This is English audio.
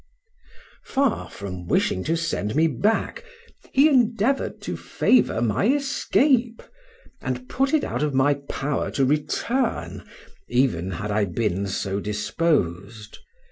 Far from wishing to send me back, he endeavored to favor my escape, and put it out of my power to return even had I been so disposed.